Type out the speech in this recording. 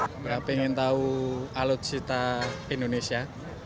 saya ingin tahu alutsita indonesia